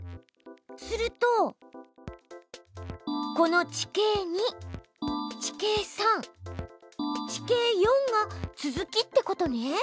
するとこの「地形２」「地形３」「地形４」が続きってことね。